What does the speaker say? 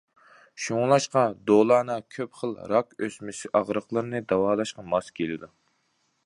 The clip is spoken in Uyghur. شۇڭلاشقا دولانا كۆپ خىل راك ئۆسمىسى ئاغرىقلىرىنى داۋالاشقا ماس كېلىدۇ.